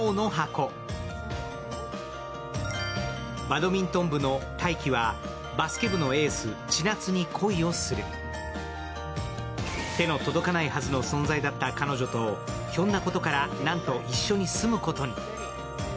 バドミントン部の大喜はバスケ部のエース・千夏に恋をする手の届かないはずの存在だった彼女と、ひょんなことから、なんと一緒に住むことに。